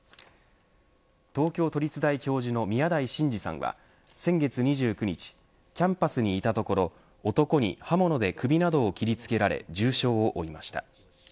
東京都立大教授の宮台真司さんは先月２９日キャンパスにいたところ男に刃物で首などを切り付けられ重傷を負いました。